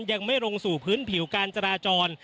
ยังไม่ลงสู่พื้นผิวการจราจร